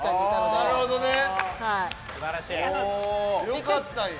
よかったんや。